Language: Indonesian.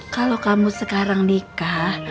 kalau kamu sekarang nikah